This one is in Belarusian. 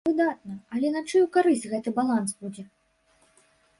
Выдатна, але на чыю карысць гэты баланс будзе?